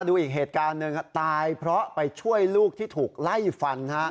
ดูอีกเหตุการณ์หนึ่งตายเพราะไปช่วยลูกที่ถูกไล่ฟัน